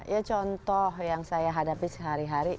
ya contoh yang saya hadapi sehari hari